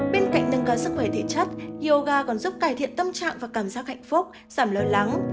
bên cạnh nâng cao sức khỏe thể chất yoga còn giúp cải thiện tâm trạng và cảm giác hạnh phúc giảm lo lắng